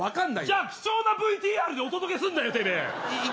じゃあ貴重なＶＴＲでお届けすんなよ。